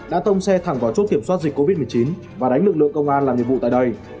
đã tông xe thẳng vào chốt kiểm soát dịch covid một mươi chín và đánh lực lượng công an làm nhiệm vụ tại đây